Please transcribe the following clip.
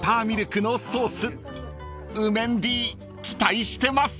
［「ウメンディ」期待してます］